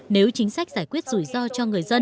nếu chính sách giải quyết rủi ro